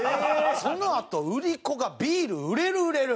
そのあと売り子がビール売れる売れる。